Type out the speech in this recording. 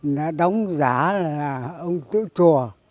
nó đóng giá là ông tử chùa